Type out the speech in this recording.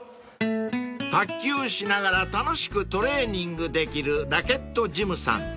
［卓球しながら楽しくトレーニングできるラケットジムさん］